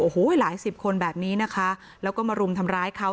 โอ้โหหลายสิบคนแบบนี้นะคะแล้วก็มารุมทำร้ายเขา